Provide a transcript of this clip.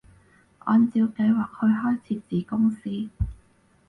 按照計劃去開設子公司